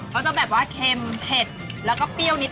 จะแบบว่าเค็มเผ็ดแล้วก็เปรี้ยวนิด